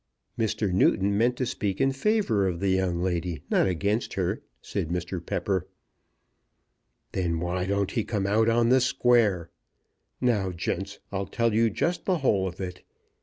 "Mr. Newton meant to speak in favour of the young lady, not against her," said Mr. Pepper. "Then why don't he come out on the square? Now, gents, I'll tell you just the whole of it.